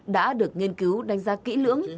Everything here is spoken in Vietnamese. đã được nghiên cứu đánh giá kỹ lưỡng